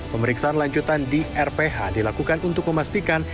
pemeriksaan lanjutan di rph dilakukan untuk memastikan